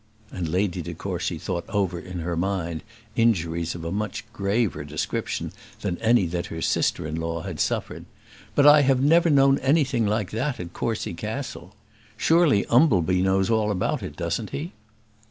And Lady de Courcy thought over in her mind injuries of a much graver description than any that her sister in law had ever suffered; "but I have never known anything like that at Courcy Castle. Surely Umbleby knows all about it, doesn't he?"